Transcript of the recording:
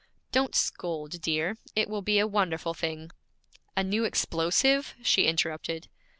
'Don't scold, dear. It will be a wonderful thing!' 'A new explosive?' she interrupted.